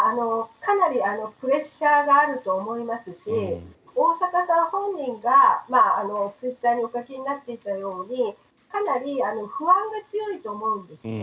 かなりプレッシャーがあると思いますし大坂さん本人がツイッターにお書きになっていたようにかなり不安が強いと思うんですね。